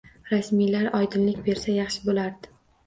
Rasmiylar oydinlik bersa yaxshi bo'lardi